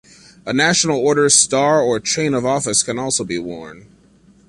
A national order's star or chain of office can also be worn.